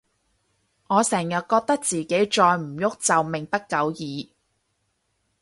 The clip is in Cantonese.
我成日覺得自己再唔郁就命不久矣